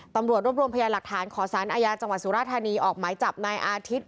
ตำรวจรวบรวมพยานหลักฐานขอสารอาญาจังหวัดสุราธานีออกหมายจับนายอาทิตย์